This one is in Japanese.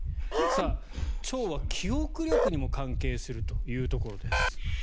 腸は記憶力にも関係するというところです。